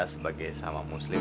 sebagai sama muslim